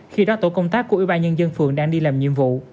khi đó tổ công tác của ubnd phường đang đi làm nhiệm vụ